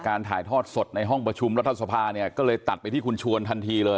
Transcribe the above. ถ่ายทอดสดในห้องประชุมรัฐสภาเนี่ยก็เลยตัดไปที่คุณชวนทันทีเลย